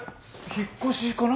引っ越しかな？